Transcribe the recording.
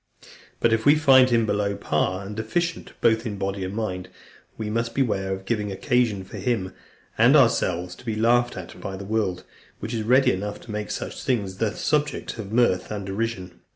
But if we find him below par, and deficient both in body and mind, we must beware of giving occasion for him and ourselves to be laughed at by the world, which is ready enough to make such things the subject of mirth and derision.